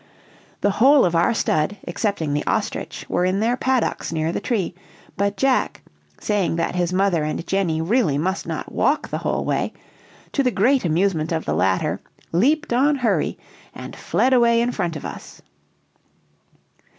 The whole of our stud, excepting the ostrich, were in their paddocks near the tree; but Jack, saying that his mother and Jenny really must not walk the whole way, to the great amusement of the latter, leaped on Hurry, and fled away in front of us.